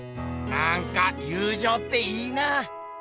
なんか友じょうっていいなあ。